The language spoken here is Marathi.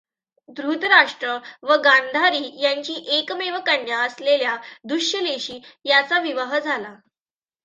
धृतराष्ट्र व गांधारी यांची एकमेव कन्या असलेल्या दुःशलेशी याचा विवाह झाला.